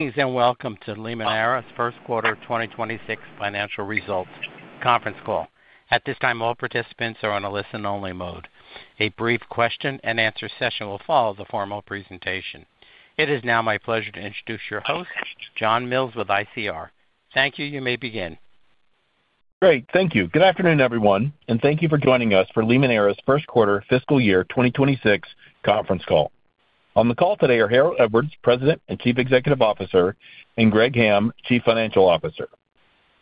Good evening, and welcome to Limoneira's first quarter 2026 financial results conference call. At this time, all participants are on a listen-only mode. A brief question-and-answer session will follow the formal presentation. It is now my pleasure to introduce your host, John Mills with ICR. Thank you. You may begin. Great. Thank you. Good afternoon, everyone, and thank you for joining us for Limoneira's first quarter fiscal year 2026 conference call. On the call today are Harold Edwards, President and Chief Executive Officer, and Greg Hamm, Chief Financial Officer.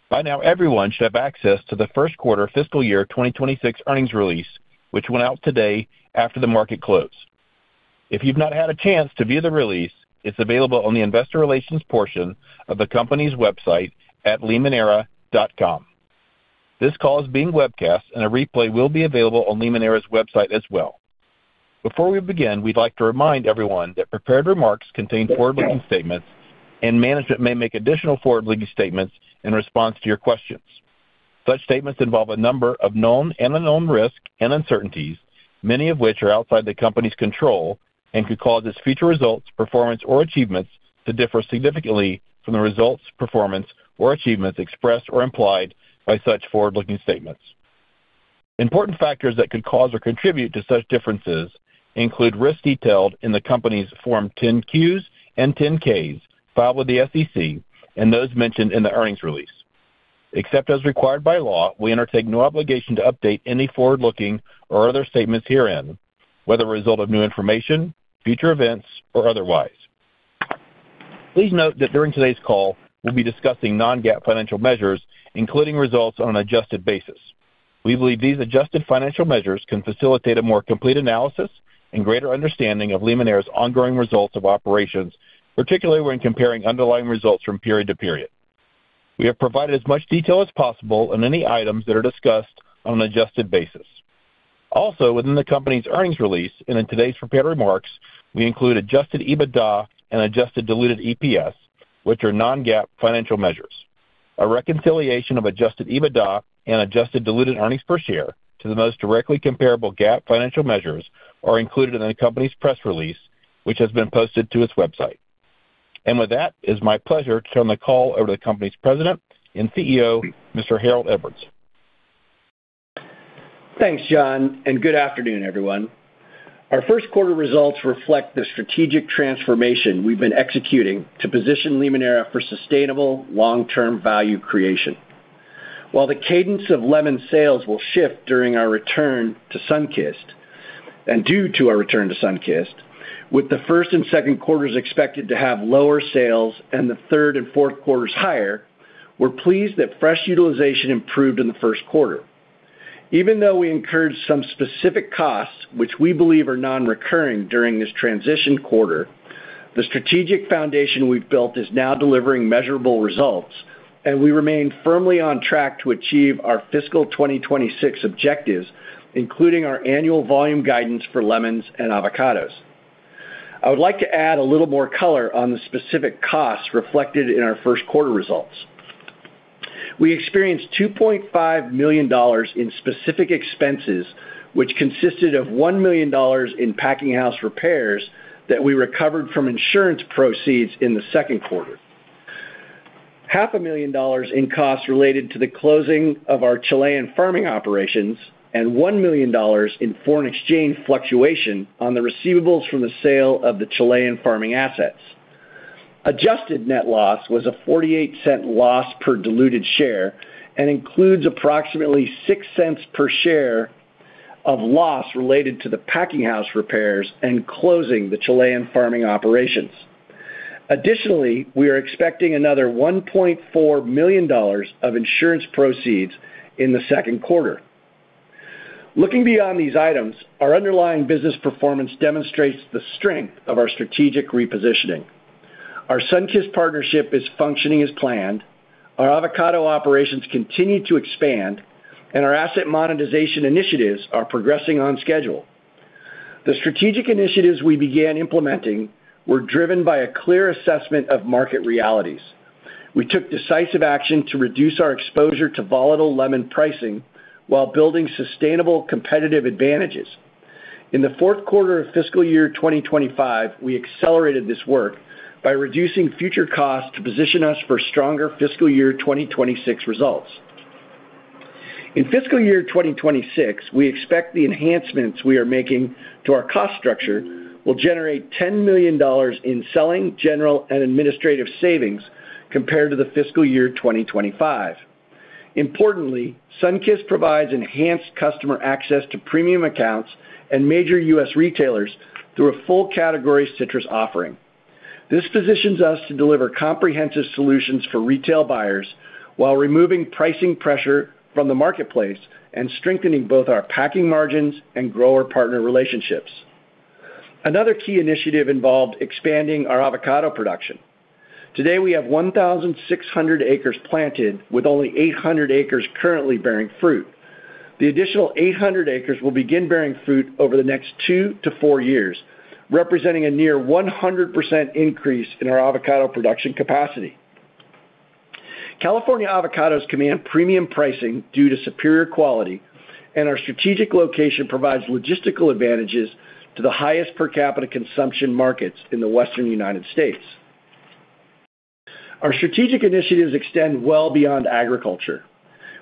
By now, everyone should have access to the first quarter fiscal year 2026 earnings release, which went out today after the market closed. If you've not had a chance to view the release, it's available on the Investor Relations portion of the company's website at limoneira.com. This call is being webcast, and a replay will be available on Limoneira's website as well. Before we begin, we'd like to remind everyone that prepared remarks contain forward-looking statements, and management may make additional forward-looking statements in response to your questions. Such statements involve a number of known and unknown risks and uncertainties, many of which are outside the company's control and could cause its future results, performance, or achievements to differ significantly from the results, performance, or achievements expressed or implied by such forward-looking statements. Important factors that could cause or contribute to such differences include risks detailed in the company's Form 10-Q and 10-Ks filed with the SEC and those mentioned in the earnings release. Except as required by law, we undertake no obligation to update any forward-looking or other statements herein, whether a result of new information, future events, or otherwise. Please note that during today's call, we'll be discussing non-GAAP financial measures, including results on an adjusted basis. We believe these adjusted financial measures can facilitate a more complete analysis and greater understanding of Limoneira's ongoing results of operations, particularly when comparing underlying results from period to period. We have provided as much detail as possible on any items that are discussed on an adjusted basis. Also, within the company's earnings release and in today's prepared remarks, we include adjusted EBITDA and adjusted diluted EPS, which are non-GAAP financial measures. A reconciliation of adjusted EBITDA and adjusted diluted earnings per share to the most directly comparable GAAP financial measures are included in the company's press release, which has been posted to its website. With that, it's my pleasure to turn the call over to the company's President and CEO, Mr. Harold Edwards. Thanks, John, and good afternoon, everyone. Our first quarter results reflect the strategic transformation we've been executing to position Limoneira for sustainable long-term value creation. While the cadence of lemon sales will shift during our return to Sunkist, and due to our return to Sunkist, with the first and second quarters expected to have lower sales and the third and fourth quarters higher, we're pleased that fresh utilization improved in the first quarter. Even though we incurred some specific costs, which we believe are non-recurring during this transition quarter, the strategic foundation we've built is now delivering measurable results, and we remain firmly on track to achieve our fiscal year 2026 objectives, including our annual volume guidance for lemons and avocados. I would like to add a little more color on the specific costs reflected in our first quarter results. We experienced $2.5 million in specific expenses, which consisted of $1 million in packing house repairs that we recovered from insurance proceeds in the second quarter, $500,000 in costs related to the closing of our Chilean farming operations, and $1 million in foreign exchange fluctuation on the receivables from the sale of the Chilean farming assets. Adjusted net loss was a $0.48 loss per diluted share and includes approximately $0.06 per share of loss related to the packing house repairs and closing the Chilean farming operations. Additionally, we are expecting another $1.4 million of insurance proceeds in the second quarter. Looking beyond these items, our underlying business performance demonstrates the strength of our strategic repositioning. Our Sunkist partnership is functioning as planned. Our avocado operations continue to expand, and our asset monetization initiatives are progressing on schedule. The strategic initiatives we began implementing were driven by a clear assessment of market realities. We took decisive action to reduce our exposure to volatile lemon pricing while building sustainable competitive advantages. In the fourth quarter of fiscal year 2025, we accelerated this work by reducing future costs to position us for stronger fiscal year 2026 results. In fiscal year 2026, we expect the enhancements we are making to our cost structure will generate $10 million in selling, general, and administrative savings compared to the fiscal year 2025. Importantly, Sunkist provides enhanced customer access to premium accounts and major U.S. retailers through a full category citrus offering. This positions us to deliver comprehensive solutions for retail buyers while removing pricing pressure from the marketplace and strengthening both our packing margins and grower partner relationships. Another key initiative involved expanding our avocado production. Today, we have 1,600 acres planted, with only 800 acres currently bearing fruit. The additional 800 acres will begin bearing fruit over the next two to four years, representing a near 100% increase in our avocado production capacity. California avocados command premium pricing due to superior quality, and our strategic location provides logistical advantages to the highest per capita consumption markets in the Western United States. Our strategic initiatives extend well beyond agriculture.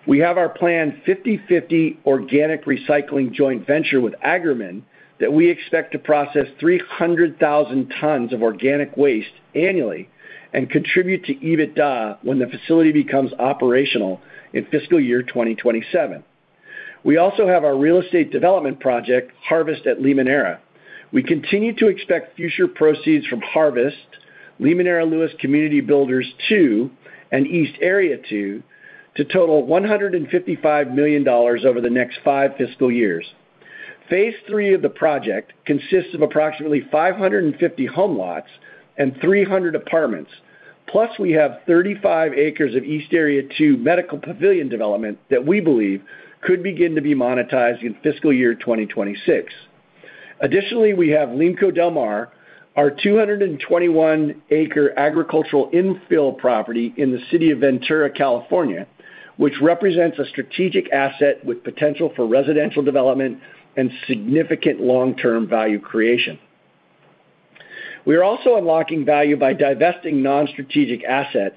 We have our planned 50/50 organic recycling joint venture with Agromin that we expect to process 300,000 tons of organic waste annually and contribute to EBITDA when the facility becomes operational in fiscal year 2027. We also have our real estate development project, Harvest at Limoneira. We continue to expect future proceeds from Harvest, Limoneira Lewis Community Builders 2, and East Area II to total $155 million over the next five fiscal years. Phase 3 of the project consists of approximately 550 home lots and 300 apartments, plus we have 35 acres of East Area II medical pavilion development that we believe could begin to be monetized in fiscal year 2026. Additionally, we have Limco Del Mar, our 221-acre agricultural infill property in the city of Ventura, California, which represents a strategic asset with potential for residential development and significant long-term value creation. We are also unlocking value by divesting non-strategic assets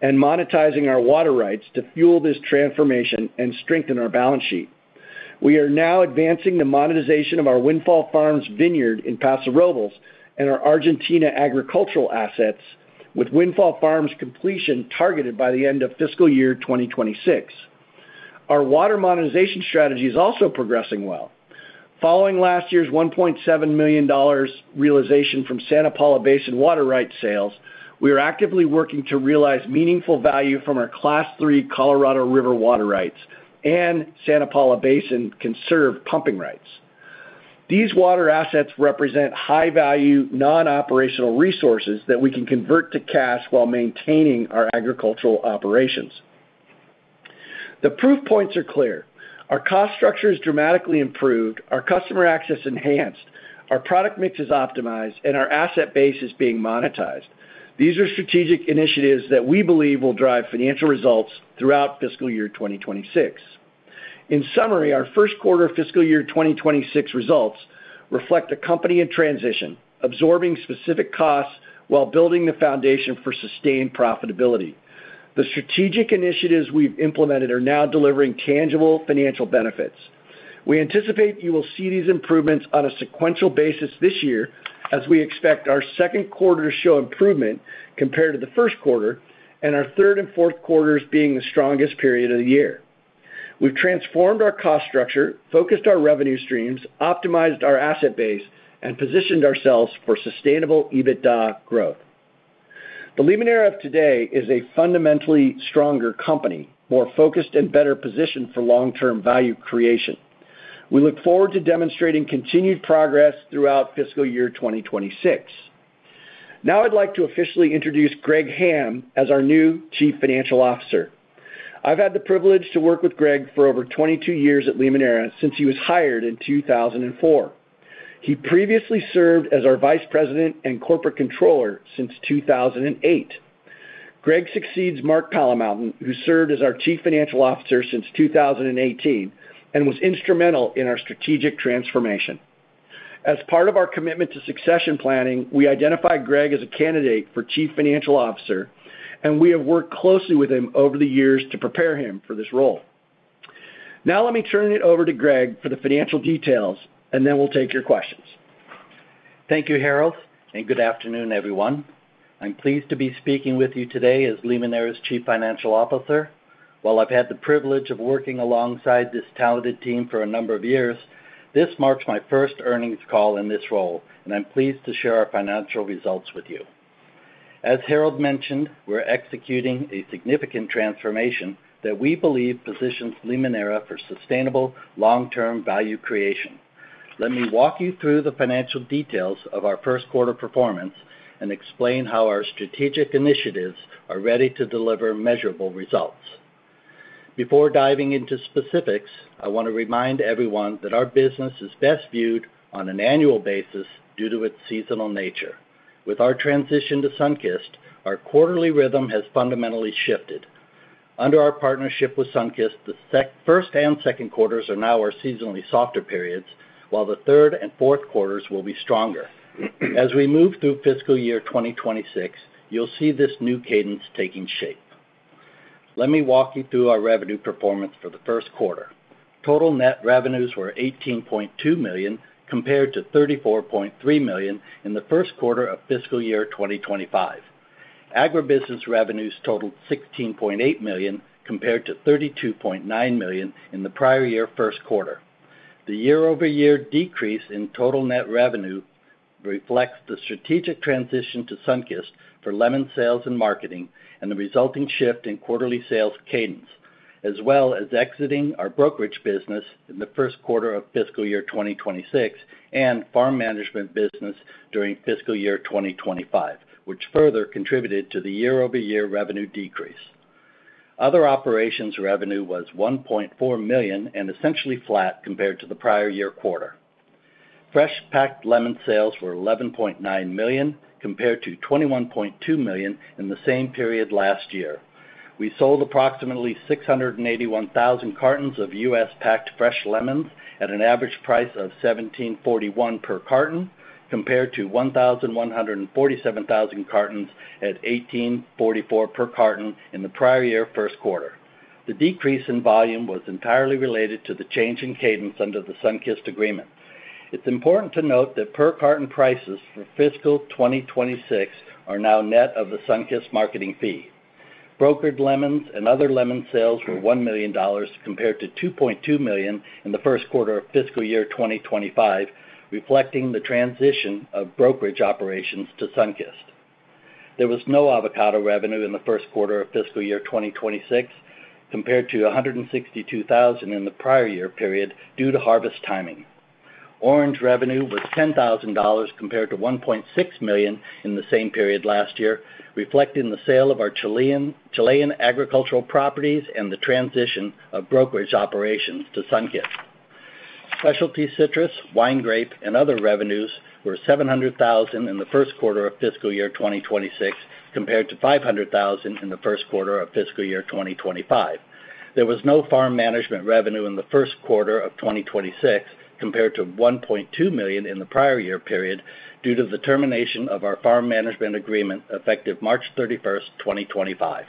and monetizing our water rights to fuel this transformation and strengthen our balance sheet. We are now advancing the monetization of our Windfall Farms vineyard in Paso Robles and our Argentina agricultural assets, with Windfall Farms completion targeted by the end of fiscal year 2026. Our water monetization strategy is also progressing well. Following last year's $1.7 million realization from Santa Paula Basin water rights sales, we are actively working to realize meaningful value from our Class 3 Colorado River water rights and Santa Paula Basin conserved pumping rights. These water assets represent high-value, non-operational resources that we can convert to cash while maintaining our agricultural operations. The proof points are clear. Our cost structure is dramatically improved, our customer access enhanced, our product mix is optimized, and our asset base is being monetized. These are strategic initiatives that we believe will drive financial results throughout fiscal year 2026. In summary, our first quarter fiscal year 2026 results reflect the company in transition, absorbing specific costs while building the foundation for sustained profitability. The strategic initiatives we've implemented are now delivering tangible financial benefits. We anticipate you will see these improvements on a sequential basis this year as we expect our second quarter to show improvement compared to the first quarter and our third and fourth quarters being the strongest period of the year. We've transformed our cost structure, focused our revenue streams, optimized our asset base, and positioned ourselves for sustainable EBITDA growth. The Limoneira of today is a fundamentally stronger company, more focused and better positioned for long-term value creation. We look forward to demonstrating continued progress throughout fiscal year 2026. Now I'd like to officially introduce Greg Hamm as our new Chief Financial Officer. I've had the privilege to work with Greg for over 22 years at Limoneira since he was hired in 2004. He previously served as our Vice President and Corporate Controller since 2008. Greg succeeds Mark Palamountain, who served as our Chief Financial Officer since 2018 and was instrumental in our strategic transformation. As part of our commitment to succession planning, we identified Greg as a candidate for Chief Financial Officer, and we have worked closely with him over the years to prepare him for this role. Now let me turn it over to Greg for the financial details, and then we'll take your questions. Thank you, Harold, and good afternoon, everyone. I'm pleased to be speaking with you today as Limoneira's Chief Financial Officer. While I've had the privilege of working alongside this talented team for a number of years, this marks my first earnings call in this role, and I'm pleased to share our financial results with you. As Harold mentioned, we're executing a significant transformation that we believe positions Limoneira for sustainable long-term value creation. Let me walk you through the financial details of our first quarter performance and explain how our strategic initiatives are ready to deliver measurable results. Before diving into specifics, I want to remind everyone that our business is best viewed on an annual basis due to its seasonal nature. With our transition to Sunkist, our quarterly rhythm has fundamentally shifted. Under our partnership with Sunkist, the first and second quarters are now our seasonally softer periods, while the third and fourth quarters will be stronger. As we move through fiscal year 2026, you'll see this new cadence taking shape. Let me walk you through our revenue performance for the first quarter. Total net revenues were $18.2 million compared to $34.3 million in the first quarter of fiscal year 2025. Agribusiness revenues totaled $16.8 million compared to $32.9 million in the prior year first quarter. The year-over-year decrease in total net revenue reflects the strategic transition to Sunkist for lemon sales and marketing and the resulting shift in quarterly sales cadence, as well as exiting our brokerage business in the first quarter of fiscal year 2026 and farm management business during fiscal year 2025, which further contributed to the year-over-year revenue decrease. Other operations revenue was $1.4 million and essentially flat compared to the prior year quarter. Fresh packed lemon sales were $11.9 million compared to $21.2 million in the same period last year. We sold approximately 681,000 cartons of U.S. packed fresh lemons at an average price of $17.41 per carton, compared to 1,147,000 cartons at $18.44 per carton in the prior year first quarter. The decrease in volume was entirely related to the change in cadence under the Sunkist agreement. It's important to note that per carton prices for fiscal year 2026 are now net of the Sunkist marketing fee. Brokered lemons and other lemon sales were $1 million compared to $2.2 million in the first quarter of fiscal year 2025, reflecting the transition of brokerage operations to Sunkist. There was no avocado revenue in the first quarter of fiscal year 2026 compared to $162,000 in the prior year period due to harvest timing. Orange revenue was $10,000 compared to $1.6 million in the same period last year, reflecting the sale of our Chilean agricultural properties and the transition of brokerage operations to Sunkist. Specialty citrus, wine grape, and other revenues were $700 thousand in the first quarter of fiscal year 2026 compared to $500,000 in the first quarter of fiscal year 2025. There was no farm management revenue in the first quarter of 2026 compared to $1.2 million in the prior year period due to the termination of our farm management agreement effective March 31, 2025.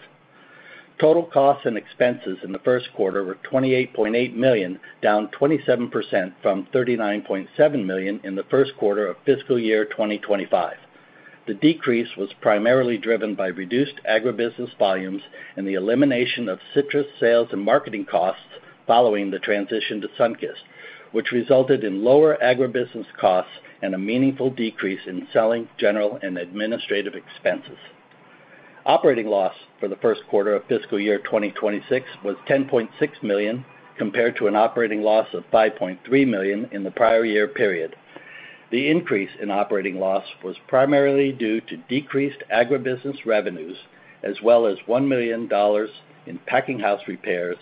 Total costs and expenses in the first quarter were $28.8 million, down 27% from $39.7 million in the first quarter of fiscal year 2025. The decrease was primarily driven by reduced agribusiness volumes and the elimination of citrus sales and marketing costs following the transition to Sunkist, which resulted in lower agribusiness costs and a meaningful decrease in selling, general, and administrative expenses. Operating loss for the first quarter of fiscal year 2026 was $10.6 million compared to an operating loss of $5.3 million in the prior year period. The increase in operating loss was primarily due to decreased agribusiness revenues as well as $1 million in packing house repairs,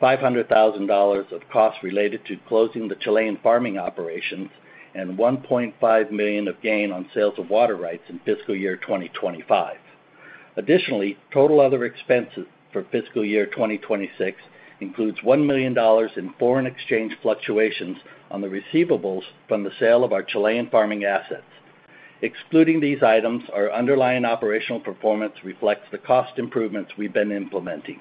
$500,000 of costs related to closing the Chilean farming operations, and $1.5 million of gain on sales of water rights in fiscal year 2025. Additionally, total other expenses for fiscal year 2026 includes $1 million in foreign exchange fluctuations on the receivables from the sale of our Chilean farming assets. Excluding these items, our underlying operational performance reflects the cost improvements we've been implementing.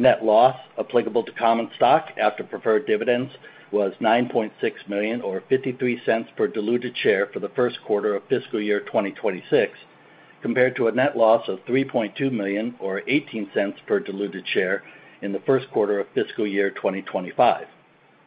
Net loss applicable to common stock after preferred dividends was $9.6 million or $0.53 per diluted share for the first quarter of fiscal year 2026, compared to a net loss of $3.2 million or $0.18 per diluted share in the first quarter of fiscal year 2025.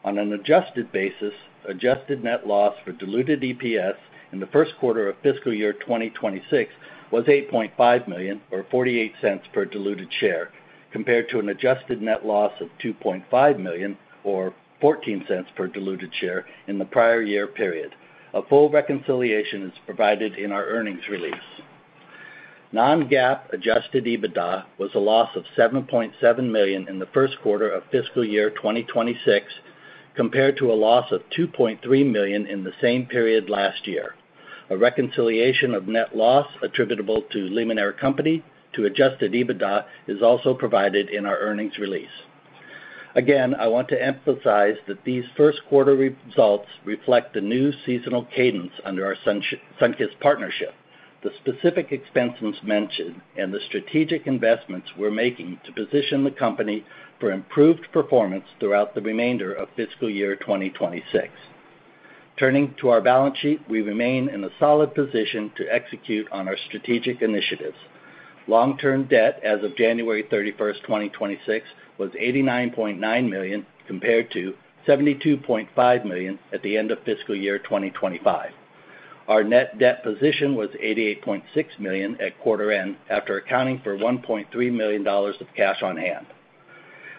On an adjusted basis, adjusted net loss for diluted EPS in the first quarter of fiscal year 2026 was $8.5 million or $0.48 per diluted share, compared to an adjusted net loss of $2.5 million or $0.14 per diluted share in the prior year period. A full reconciliation is provided in our earnings release. Non-GAAP adjusted EBITDA was a loss of $7.7 million in the first quarter of fiscal year 2026 compared to a loss of $2.3 million in the same period last year. A reconciliation of net loss attributable to Limoneira Company to adjusted EBITDA is also provided in our earnings release. Again, I want to emphasize that these first quarter results reflect the new seasonal cadence under our Sunkist partnership, the specific expenses mentioned, and the strategic investments we're making to position the company for improved performance throughout the remainder of fiscal year 2026. Turning to our balance sheet, we remain in a solid position to execute on our strategic initiatives. Long-term debt as of January 31, 2026 was $89.9 million compared to $72.5 million at the end of fiscal year 2025. Our net debt position was $88.6 million at quarter end after accounting for $1.3 million of cash on hand.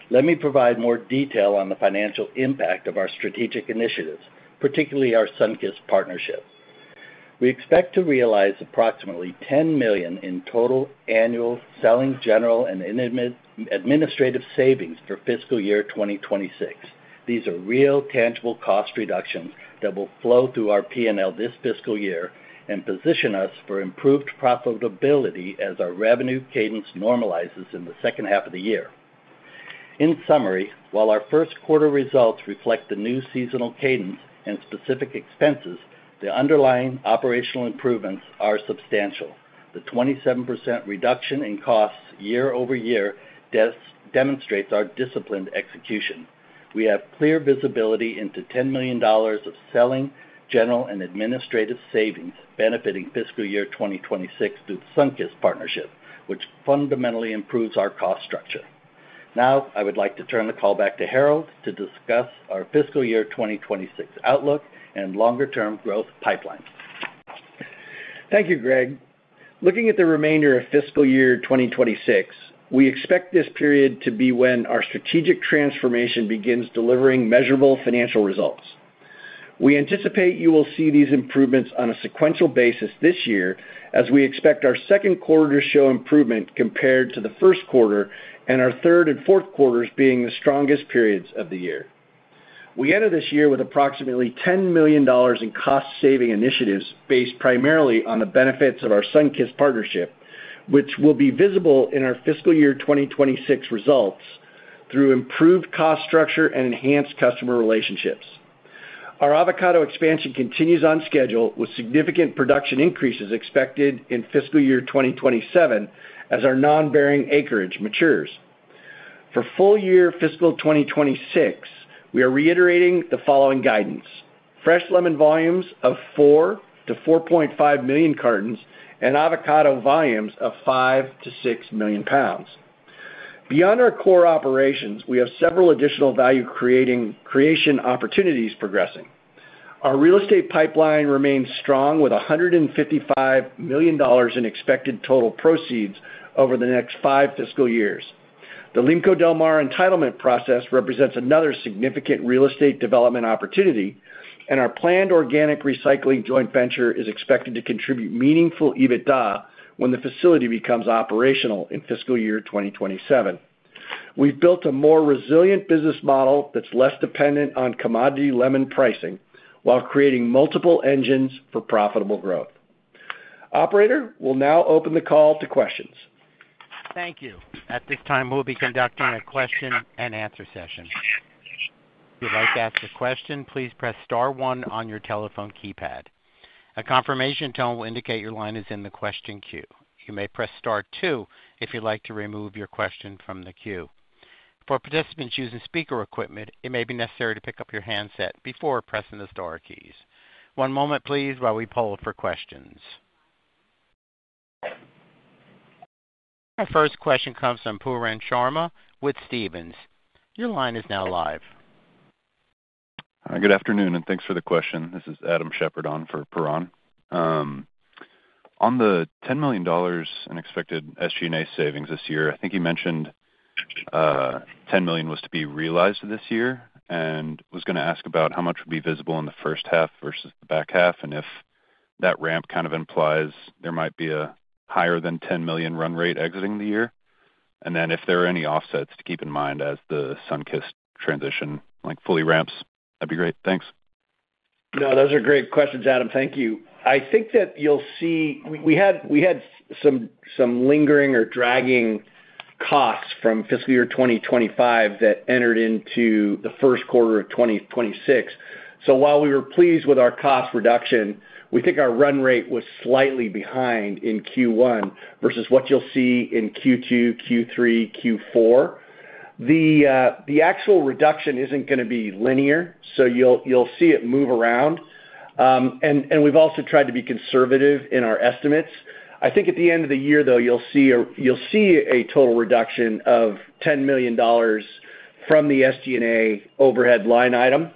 Let me provide more detail on the financial impact of our strategic initiatives, particularly our Sunkist partnership. We expect to realize approximately $10 million in total annual selling, general, and administrative savings for fiscal year 2026. These are real tangible cost reductions that will flow through our P&L this fiscal year and position us for improved profitability as our revenue cadence normalizes in the second half of the year. In summary, while our first quarter results reflect the new seasonal cadence and specific expenses, the underlying operational improvements are substantial. The 27% reduction in costs year-over-year demonstrates our disciplined execution. We have clear visibility into $10 million of selling, general, and administrative savings benefiting fiscal year 2026 through the Sunkist partnership, which fundamentally improves our cost structure. Now, I would like to turn the call back to Harold to discuss our fiscal year 2026 outlook and longer term growth pipeline. Thank you, Greg. Looking at the remainder of fiscal year 2026, we expect this period to be when our strategic transformation begins delivering measurable financial results. We anticipate you will see these improvements on a sequential basis this year as we expect our second quarter to show improvement compared to the first quarter and our third and fourth quarters being the strongest periods of the year. We ended this year with approximately $10 million in cost saving initiatives based primarily on the benefits of our Sunkist partnership, which will be visible in our fiscal year 2026 results through improved cost structure and enhanced customer relationships. Our avocado expansion continues on schedule, with significant production increases expected in fiscal year 2027 as our non-bearing acreage matures. For full year fiscal year 2026, we are reiterating the following guidance: fresh lemon volumes of four to 4.5 million cartons and avocado volumes of 5 million lbs-6 million lbs. Beyond our core operations, we have several additional value creation opportunities progressing. Our real estate pipeline remains strong with $155 million in expected total proceeds over the next five fiscal years. The Limco Del Mar entitlement process represents another significant real estate development opportunity, and our planned organic recycling joint venture is expected to contribute meaningful EBITDA when the facility becomes operational in fiscal year 2027. We've built a more resilient business model that's less dependent on commodity lemon pricing while creating multiple engines for profitable growth. Operator, we'll now open the call to questions. Thank you. At this time, we'll be conducting a question and answer session. If you'd like to ask a question, please press star one on your telephone keypad. A confirmation tone will indicate your line is in the question queue. You may press star two if you'd like to remove your question from the queue. For participants using speaker equipment, it may be necessary to pick up your handset before pressing the star keys. One moment, please, while we poll for questions. Our first question comes from Pooran Sharma with Stephens. Your line is now live. Good afternoon, and thanks for the question. This is Adam Shepherd on for Pooran. On the $10 million in expected SG&A savings this year, I think you mentioned $10 million was to be realized this year. I was gonna ask about how much would be visible in the first half versus the back half, and if that ramp kind of implies there might be a higher than $10 million run rate exiting the year. If there are any offsets to keep in mind as the Sunkist transition, like, fully ramps, that'd be great. Thanks. No, those are great questions, Adam. Thank you. I think that you'll see. We had some lingering or dragging costs from fiscal year 2025 that entered into the first quarter of 2026. While we were pleased with our cost reduction, we think our run rate was slightly behind in Q1 versus what you'll see in Q2, Q3, Q4. The actual reduction isn't gonna be linear, so you'll see it move around. We've also tried to be conservative in our estimates. I think at the end of the year, though, you'll see a total reduction of $10 million from the SG&A overhead line item.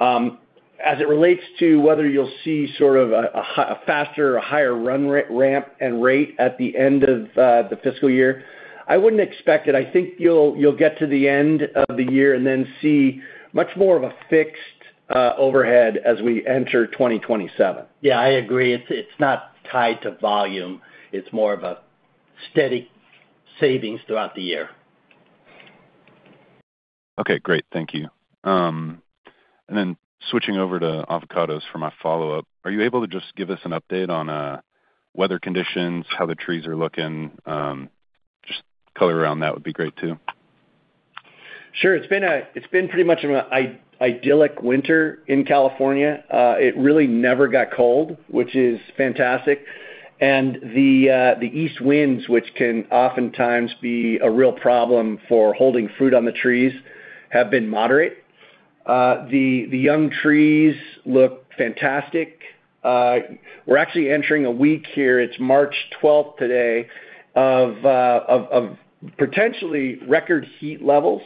As it relates to whether you'll see sort of a faster or higher run-rate ramp at the end of the fiscal year, I wouldn't expect it. I think you'll get to the end of the year and then see much more of a fixed overhead as we enter 2027. Yeah, I agree. It's not tied to volume. It's more of a steady savings throughout the year. Okay, great. Thank you. Switching over to avocados for my follow-up. Are you able to just give us an update on weather conditions, how the trees are looking? Just color around that would be great too. Sure. It's been pretty much an idyllic winter in California. It really never got cold, which is fantastic. The east winds, which can oftentimes be a real problem for holding fruit on the trees, have been moderate. The young trees look fantastic. We're actually entering a week here, it's March twelfth today, of potentially record heat levels,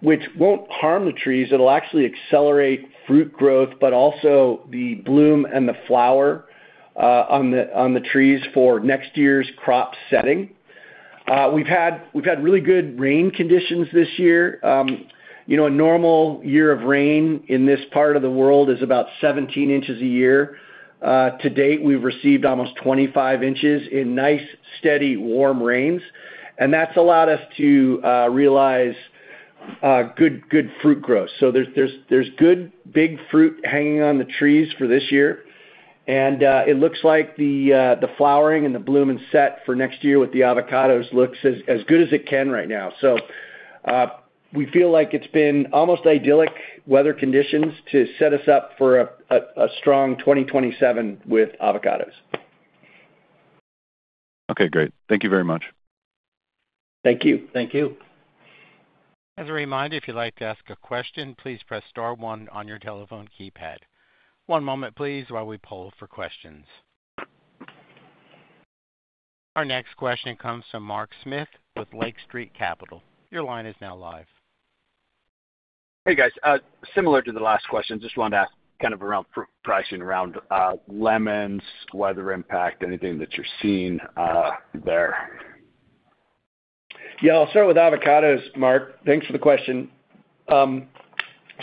which won't harm the trees. It'll actually accelerate fruit growth, but also the bloom and the flower on the trees for next year's crop setting. We've had really good rain conditions this year. You know, a normal year of rain in this part of the world is about 17 in a year. To date, we've received almost 25 in in nice, steady, warm rains, and that's allowed us to realize good fruit growth. There's good, big fruit hanging on the trees for this year. It looks like the flowering and the bloom and set for next year with the avocados looks as good as it can right now. We feel like it's been almost idyllic weather conditions to set us up for a strong 2027 with avocados. Okay, great. Thank you very much. Thank you. Thank you. As a reminder, if you'd like to ask a question, please press star one on your telephone keypad. One moment, please, while we poll for questions. Our next question comes from Mark Smith with Lake Street Capital Markets. Your line is now live. Hey, guys. Similar to the last question, just wanted to ask kind of around fruit pricing, around, lemons, weather impact, anything that you're seeing, there? Yeah, I'll start with avocados, Mark. Thanks for the question.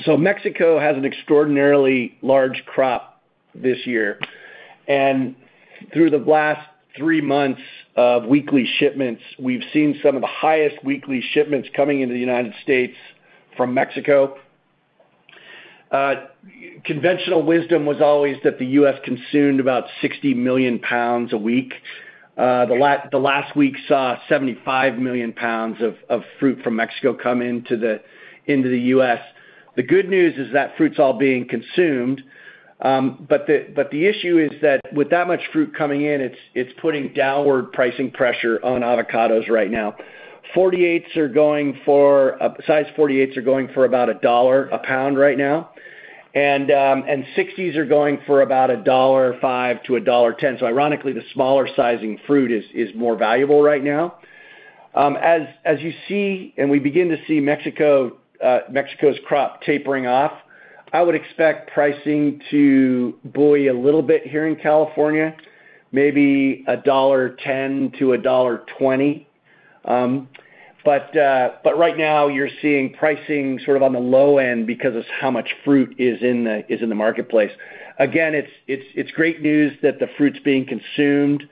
So Mexico has an extraordinarily large crop this year. Through the last three months of weekly shipments, we've seen some of the highest weekly shipments coming into the United States from Mexico. Conventional wisdom was always that the U.S. consumed about 60 million lbs a week. The last week saw 75 million lbs of fruit from Mexico come into the U.S. The good news is that fruit's all being consumed, but the issue is that with that much fruit coming in, it's putting downward pricing pressure on avocados right now. 48s are going for size 48s are going for about $1 a pound right now. 60s are going for about $1.05-$1.10. Ironically, the smaller sizing fruit is more valuable right now. As you see, and we begin to see Mexico's crop tapering off, I would expect pricing to buoy a little bit here in California, maybe $1.10-$1.20. But right now you're seeing pricing sort of on the low end because of how much fruit is in the marketplace. Again, it's great news that the fruit's being consumed.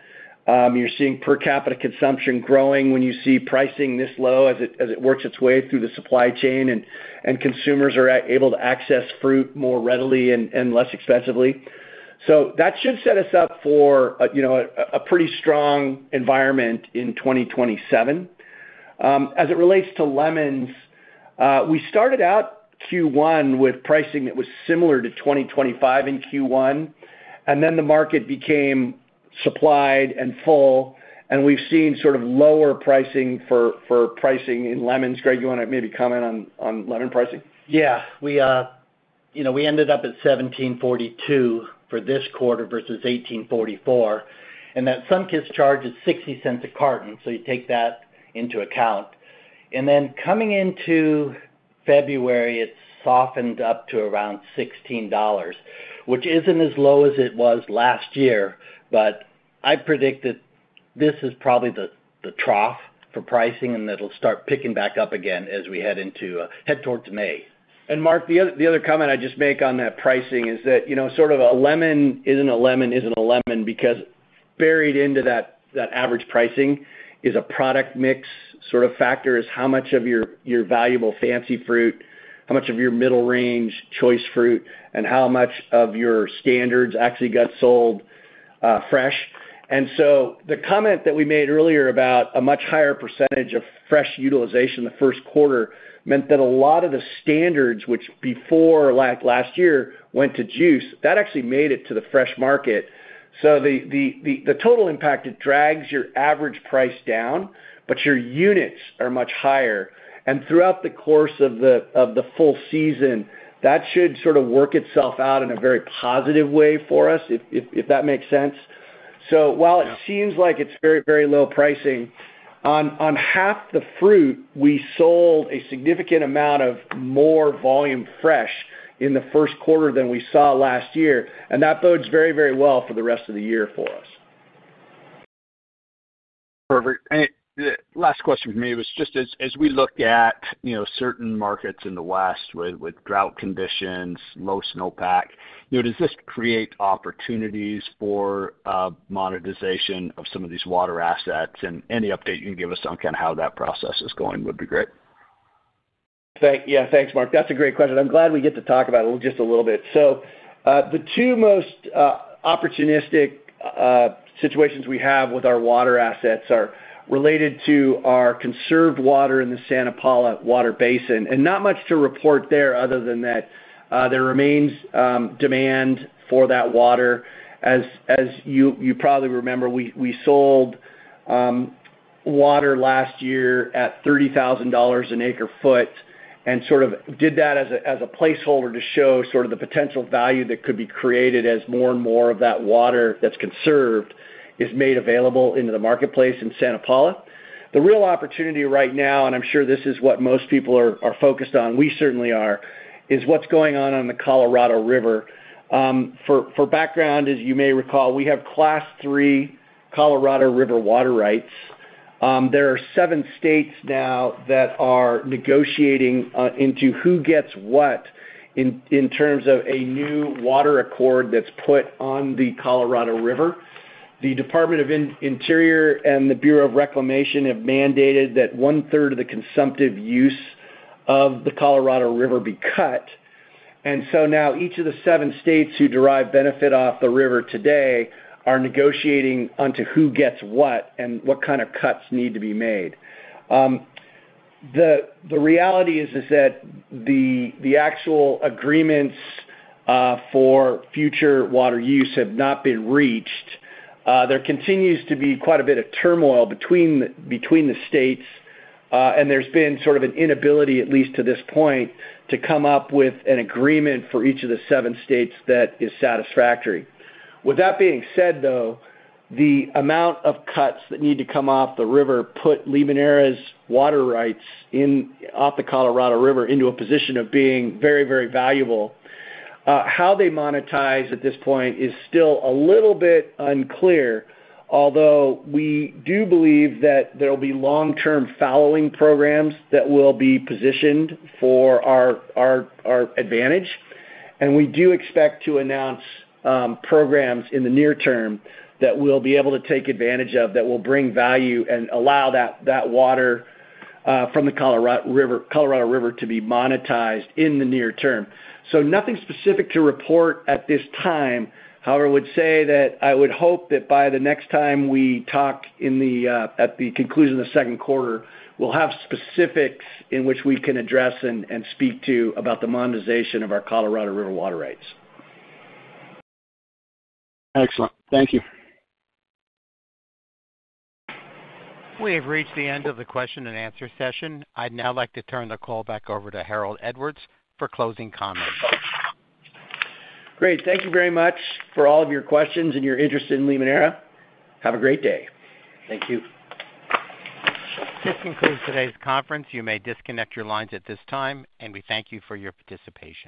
You're seeing per capita consumption growing when you see pricing this low as it works its way through the supply chain, and consumers are able to access fruit more readily and less expensively. That should set us up for a you know a pretty strong environment in 2027. As it relates to lemons, we started out Q1 with pricing that was similar to 2025 in Q1, and then the market became supplied and full, and we've seen sort of lower pricing for pricing in lemons. Greg, you wanna maybe comment on lemon pricing? Yeah. We ended up at $17.42 for this quarter versus $18.44, and that Sunkist charge is $0.60 a carton, so you take that into account. Coming into February, it softened up to around $16, which isn't as low as it was last year, but I predict that this is probably the trough for pricing, and it'll start picking back up again as we head towards May. Mark, the other comment I'd just make on that pricing is that, you know, sort of a lemon isn't a lemon because buried into that average pricing is a product mix sort of factor, is how much of your valuable fancy fruit, how much of your middle range choice fruit, and how much of your standards actually got sold fresh. The comment that we made earlier about a much higher percentage of fresh utilization in the first quarter meant that a lot of the standards, which before, like last year, went to juice, that actually made it to the fresh market. The total impact, it drags your average price down, but your units are much higher. Throughout the course of the full season, that should sort of work itself out in a very positive way for us, if that makes sense. While it seems like it's very, very low pricing on half the fruit, we sold a significant amount of more volume fresh in the first quarter than we saw last year, and that bodes very, very well for the rest of the year for us. Perfect. The last question from me was just as we look at, you know, certain markets in the West with drought conditions, low snowpack, you know, does this create opportunities for monetization of some of these water assets? Any update you can give us on kinda how that process is going would be great. Yeah, thanks, Mark. That's a great question. I'm glad we get to talk about it just a little bit. The two most opportunistic situations we have with our water assets are related to our conserved water in the Santa Paula Basin, and not much to report there other than that, there remains demand for that water. As you probably remember, we sold water last year at $30,000 an acre-foot, and sort of did that as a placeholder to show sort of the potential value that could be created as more and more of that water that's conserved is made available into the marketplace in Santa Paula. The real opportunity right now, and I'm sure this is what most people are focused on, we certainly are, is what's going on on the Colorado River. For background, as you may recall, we have Class 3 Colorado River water rights. There are seven states now that are negotiating into who gets what in terms of a new water accord that's put on the Colorado River. The U.S. Department of the Interior and the Bureau of Reclamation have mandated that one-third of the consumptive use of the Colorado River be cut. Now each of the seven states who derive benefit off the river today are negotiating onto who gets what and what kind of cuts need to be made. The reality is that the actual agreements for future water use have not been reached. There continues to be quite a bit of turmoil between the states, and there's been sort of an inability, at least to this point, to come up with an agreement for each of the seven states that is satisfactory. With that being said, though, the amount of cuts that need to come off the river put Limoneira's water rights in off the Colorado River into a position of being very, very valuable. How they monetize at this point is still a little bit unclear, although we do believe that there'll be long-term fallowing programs that will be positioned for our advantage. We do expect to announce programs in the near term that we'll be able to take advantage of that will bring value and allow that water from the Colorado River to be monetized in the near term. Nothing specific to report at this time. However, I would say that I would hope that by the next time we talk at the conclusion of the second quarter, we'll have specifics in which we can address and speak to about the monetization of our Colorado River water rights. Excellent. Thank you. We have reached the end of the question and answer session. I'd now like to turn the call back over to Harold Edwards for closing comments. Great. Thank you very much for all of your questions and your interest in Limoneira. Have a great day. Thank you. This concludes today's conference. You may disconnect your lines at this time, and we thank you for your participation.